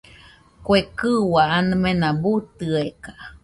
Kue kɨua amena buu tɨeka.